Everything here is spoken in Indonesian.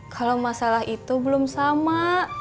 kalau masalah itu belum sama